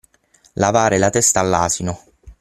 Lavare la testa all'asino.